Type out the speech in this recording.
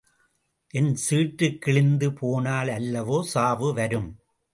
என் சீட்டுக் கிழிந்து போனால் அல்லவோ சாவு வரும்?